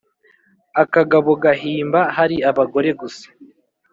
• akagabo gahimba hari abagore gusa